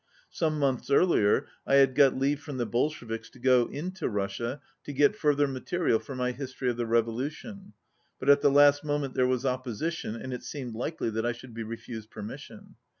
Some months earlier I had got leave from the Bolsheviks to go into Russia to get further material for my history of the revo lution, but at the last moment there was opposition and it seemed likely that I should be refused per mission.